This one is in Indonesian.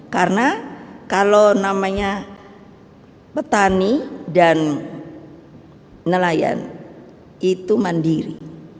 karena kalau namanya petani dan nelayan itu mandiri